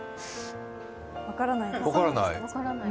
分からないです。